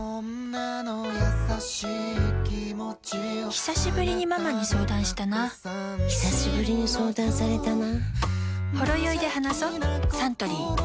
ひさしぶりにママに相談したなひさしぶりに相談されたな